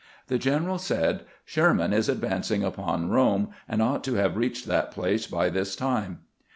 The general said, " Sherman is advancing upon Eome, and ought to have reached that place by this time."